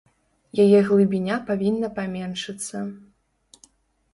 Яе глыбіня павінна паменшыцца.